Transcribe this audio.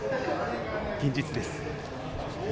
現実です。